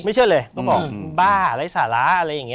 เชื่อเลยก็บอกบ้าไร้สาระอะไรอย่างนี้